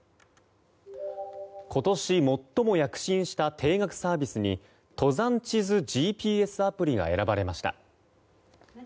今年最も躍進した定額サービスに登山地図ＧＰＳアプリが選ばれました。